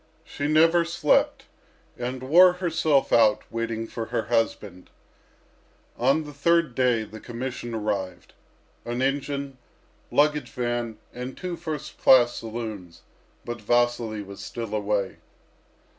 She never slept, and wore herself out waiting for her husband. On the third day the commission arrived. An engine, luggage van, and two first class saloons; but Vasily was still away.